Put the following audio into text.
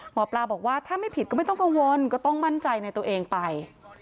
หมอปลาบอกว่าถ้าไม่ผิดก็ไม่ต้องกังวลก็ต้องมั่นใจในตัวเองไป